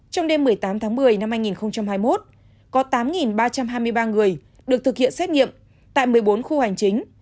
trong đêm một mươi tám tháng một mươi năm hai nghìn hai mươi một có tám ba trăm hai mươi ba người được thực hiện xét nghiệm tại một mươi bốn khu hành chính